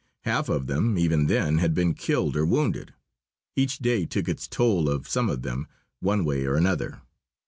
Half of them, even then, had been killed or wounded. Each day took its toll of some of them, one way or another.